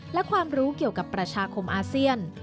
และความรู้เกี่ยวกับประชาคมอาเซียน